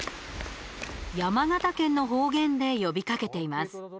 山形県の方言で呼びかけています。